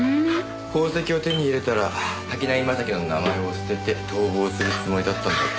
宝石を手に入れたら滝浪正輝の名前を捨てて逃亡するつもりだったんだと。